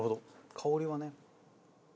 香りはね。